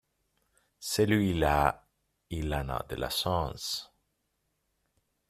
celui-là il en a de la chance.